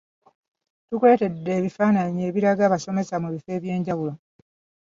Tukuleetedde ebifaananyi ebiraga abasomesa mu bifo ebyenjawulo.